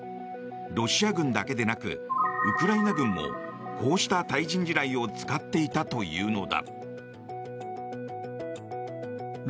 ロシア軍だけでなくウクライナ軍もこうした対人地雷を使っていたというのだ。